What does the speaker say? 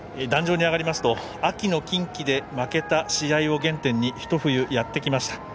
壇上に上がりますと秋の近畿で負けた試合を原点に一冬、やってきました。